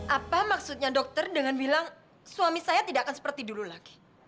apa maksudnya dokter dengan bilang suami saya tidak akan seperti dulu lagi